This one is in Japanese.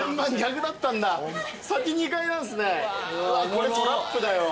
これトラップだよ。